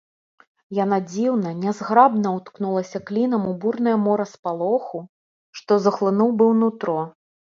Яна дзіўна, нязграбна ўткнулася клінам у бурнае мора спалоху, што захлынуў быў нутро.